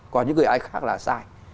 còn những người ai khác là sai